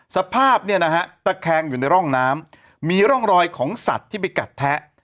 สภาพเนี่ยนะฮะตะแคงอยู่ในร่องน้ำมีร่องรอยของสัตว์ที่ไปกัดแทะ